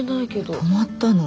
泊まったの。